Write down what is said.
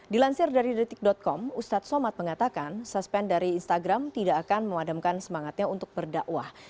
dilansir dari detik com ustadz somad mengatakan suspend dari instagram tidak akan memadamkan semangatnya untuk berdakwah